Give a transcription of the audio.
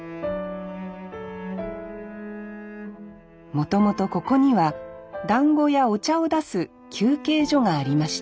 もともとここにはだんごやお茶を出す休憩所がありました。